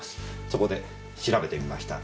そこで調べてみました。